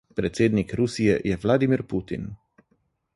Predsednik Rusije je Vladimir Putin.